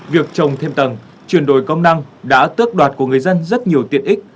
việc trồng thêm tầng chuyển đổi công năng đã tước đoạt của người dân rất nhiều tiện ích